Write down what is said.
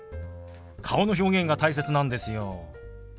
顔の表現が大切なんですよ。